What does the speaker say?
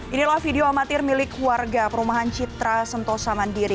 inilah video amatir milik warga perumahan citra sentosa mandiri